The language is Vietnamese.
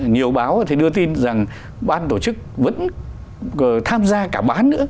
nhiều báo thì đưa tin rằng ban tổ chức vẫn tham gia cả bán nữa